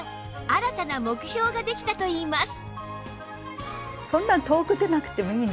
新たな目標ができたといいます